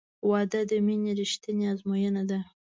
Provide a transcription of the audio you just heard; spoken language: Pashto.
• واده د مینې رښتینی ازموینه ده.